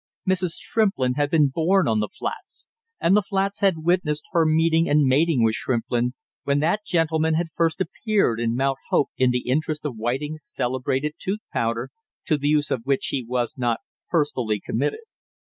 Mrs. Shrimplin had been born on the flats, and the flats had witnessed her meeting and mating with Shrimplin, when that gentleman had first appeared in Mount Hope in the interest of Whiting's celebrated tooth powder, to the use of which he was not personally committed.